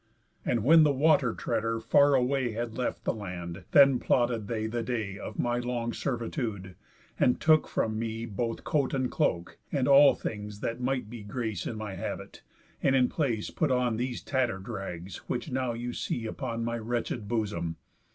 And when the water treader far away Had left the land, then plotted they the day Of my long servitude, and took from me Both coat and cloak, and all things that might be Grace in my habit, and in place put on These tatter'd rags, which now you see upon My wretched bosom.